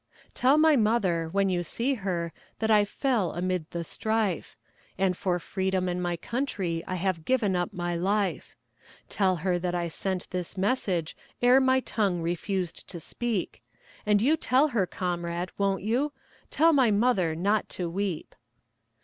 Tell my mother, when you see her, That I fell amid the strife; And for freedom and my country I have given up my life; Tell her that I sent this message Ere my tongue refused to speak, And you tell her, comrade, won't you? Tell my mother not to weep.